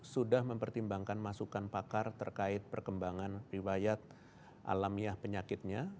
sudah mempertimbangkan masukan pakar terkait perkembangan riwayat alamiah penyakitnya